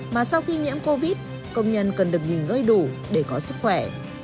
mà sau khi nhiễm covid công nhân cần được nhìn gơi đủ để có sức khỏe